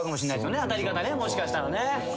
当たり方もしかしたらね。